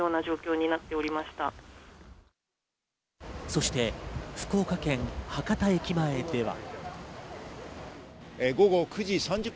そして、福岡県博多駅前では。